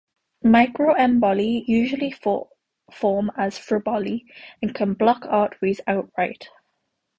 Microemboli usually form as thrombi, and can block arteries outright.